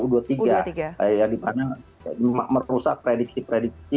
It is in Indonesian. di mana merusak prediksi prediksi